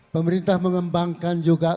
pemerintah mengembangkan juga